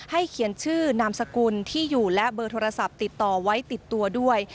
เขียนชื่อนามสกุลที่อยู่และเบอร์โทรศัพท์ติดต่อไว้ติดตัวด้วย